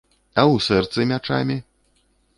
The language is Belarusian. А ў сэрцы мячамі?